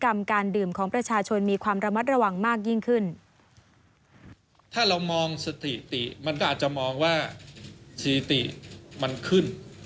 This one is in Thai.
มันก็อาจจะมองว่าสถิติมันขึ้น